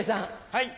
はい。